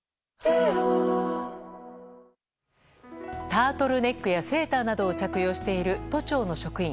タートルネックやセーターなどを着用している都庁の職員。